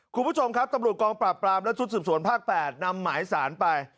คุณผู้ชมครับตำรวจกองปราบปรามและชุดสืบสวนภาค๘นำหมายสารไป